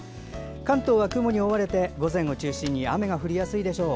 関東は雲に覆われて午前を中心に雨が降りやすいでしょう。